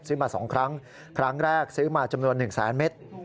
ซื้อมา๒ครั้งครั้งแรกซื้อมาจำนวน๑แสนเมตร